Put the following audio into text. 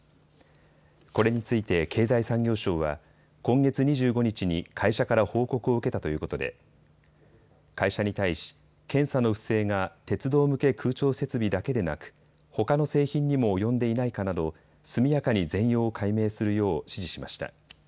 これについて経済産業省は今月２５日に会社から報告を受けたということで会社に対し、検査の不正が鉄道向け空調設備だけでなくほかの製品にも及んでいないかなど速やかに全容を解明するよう指示しました。